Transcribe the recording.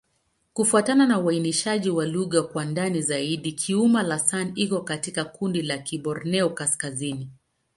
Kufuatana na uainishaji wa lugha kwa ndani zaidi, Kiuma'-Lasan iko katika kundi la Kiborneo-Kaskazini.